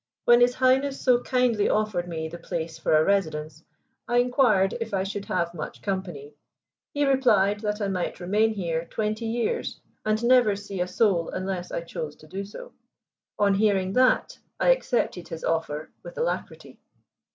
When His Highness so kindly offered me the place for a residence, I inquired if I should have much company. He replied that I might remain here twenty years and never see a soul unless I chose to do so. On hearing that I accepted his offer with alacrity."